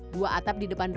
dua atap di depan ruangnya